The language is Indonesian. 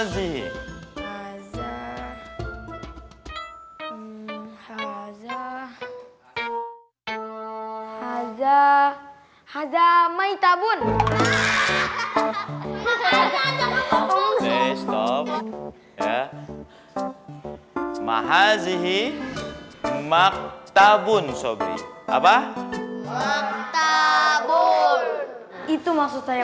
zee hadzah hadzah hadzah hadzah maithabun maha zee maktabun sobre apa apa itu maksud saya